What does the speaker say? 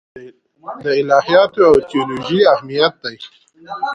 د الهیاتو او تیولوژي اهمیت دی.